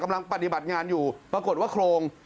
กำลังปฏิบัติงานอยู่ปรากฏว่าโครง